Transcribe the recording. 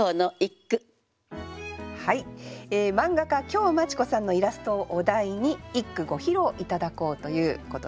漫画家今日マチ子さんのイラストをお題に一句ご披露頂こうということです。